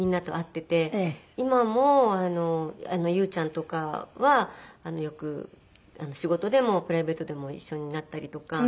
今も優ちゃんとかはよく仕事でもプライベートでも一緒になったりとか。